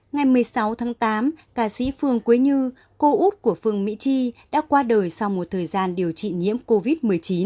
ngày một mươi sáu tháng tám ca sĩ phương quế như cô út của phương mỹ chi đã qua đời sau một thời gian điều trị nhiễm covid một mươi chín